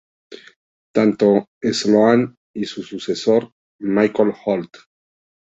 Tanto Sloane y su sucesor, Michael Holt.